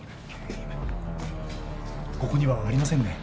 ここにはありませんね。